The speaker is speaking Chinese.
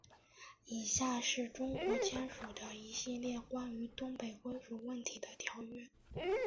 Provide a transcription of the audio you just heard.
以下是中国签署的一系列关于东北归属问题的条约。